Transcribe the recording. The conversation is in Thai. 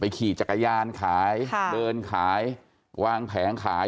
ขี่จักรยานขายเดินขายวางแผงขาย